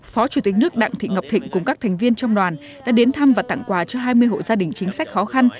phó chủ tịch nước đặng thị ngọc thịnh cùng các thành viên trong đoàn đã đến thăm và tặng quà cho hai mươi hộ gia đình chính sách khó khăn